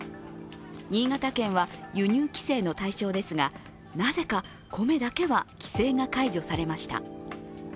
新潟県は輸入規制の対象ですがなぜか米だけは規制が解除されました。